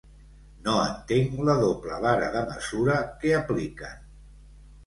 No entenc la doble vara de mesura que apliquen.